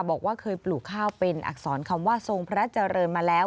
บอกว่าเคยปลูกข้าวเป็นอักษรคำว่าทรงพระเจริญมาแล้ว